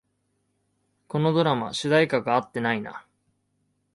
このドラマ、主題歌が合ってないな